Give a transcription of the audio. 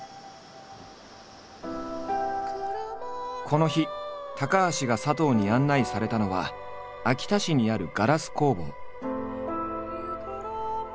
この日高橋が佐藤に案内されたのは秋田市にあるガラス工房。